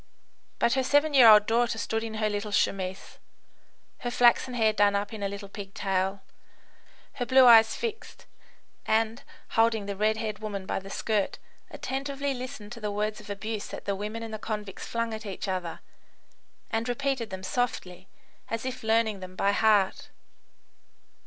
But her seven year old daughter stood in her little chemise, her flaxen hair done up in a little pigtail, her blue eyes fixed, and, holding the red haired woman by the skirt, attentively listened to the words of abuse that the women and the convicts flung at each other, and repeated them softly, as if learning them by heart.